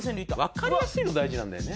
わかりやすいの大事なんだよね。